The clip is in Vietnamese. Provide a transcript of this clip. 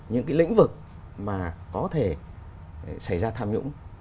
những cái lĩnh vực mà có thể xảy ra tham nhũng